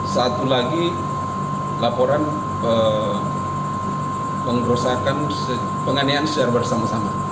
satu lagi laporan pengrusakan penganiayaan secara bersama sama